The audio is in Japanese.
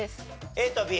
ＡとＢ。